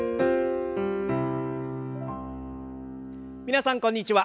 皆さんこんにちは。